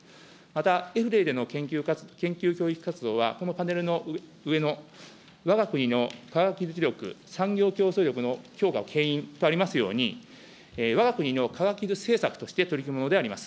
また、エフレイでの研究教育活動は、このパネルの上の、わが国の科学技術力、産業競争力の強化をけん引とありますように、わが国の科学技術政策として取り組むものであります。